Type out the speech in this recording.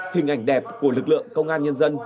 hình ảnh đẹp của lực lượng công an nhân dân